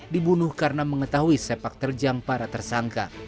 dibunuh karena mengetahui sepak terjang para tersangka